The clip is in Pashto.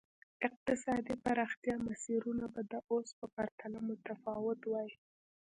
اقتصادي پراختیا مسیرونه به د اوس په پرتله متفاوت وای.